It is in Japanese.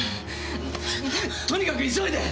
とにかく急いで！